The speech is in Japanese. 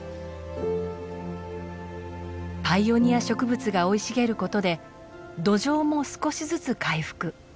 パイオニア植物が生い茂ることで土壌も少しずつ回復。